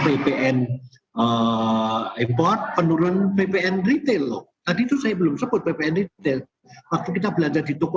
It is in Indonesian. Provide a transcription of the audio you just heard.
ppn import penurunan ppn retail loh tadi itu saya belum sebut ppn retail waktu kita belanja di toko